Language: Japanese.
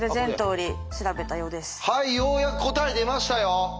はいようやく答え出ましたよ。